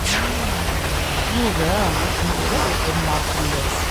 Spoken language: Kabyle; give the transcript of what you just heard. Yuba iḥemmel ad iqemmer fell-as.